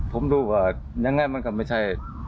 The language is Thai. ผมดูว่ายังไงมันก็ไม่ใช่